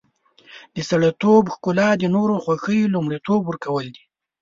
د سړیتوب ښکلا د نورو خوښي لومړیتوب ورکول دي.